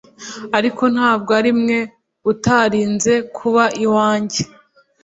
ariko ntabwo arimwe utarinze kuba iwanjye